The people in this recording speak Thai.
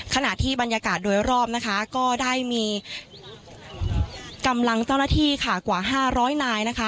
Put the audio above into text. ขณะที่บรรยากาศโดยรอบก็ได้มีกำลังเจ้าหน้าที่กว่า๕๐๐นาย